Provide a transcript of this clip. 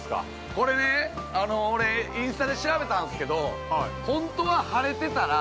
◆これ、俺インスタで調べたんすけど本当は晴れてたら